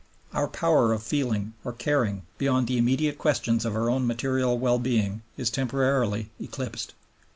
Our power of feeling or caring beyond the immediate questions of our own material well being is temporarily eclipsed.